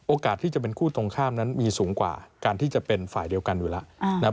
ที่จะเป็นคู่ตรงข้ามนั้นมีสูงกว่าการที่จะเป็นฝ่ายเดียวกันอยู่แล้ว